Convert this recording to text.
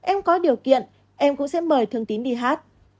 em có điều kiện em cũng sẽ mời thương tín đi hát